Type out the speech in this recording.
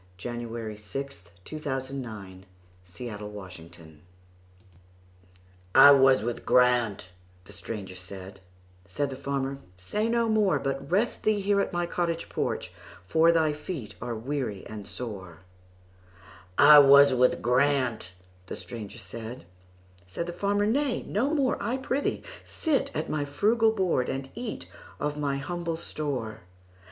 1900. By Francis BretHarte 748 The Aged Stranger "I WAS with Grant"—the stranger said; Said the farmer, "Say no more, But rest thee here at my cottage porch, For thy feet are weary and sore.""I was with Grant"—the stranger said; Said the farmer, "Nay, no more,—I prithee sit at my frugal board, And eat of my humble store.